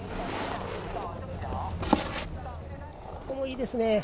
ここもいいですね。